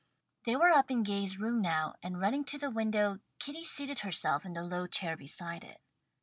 They were up in Gay's room now, and running to the window, Kitty seated herself in the low chair beside it.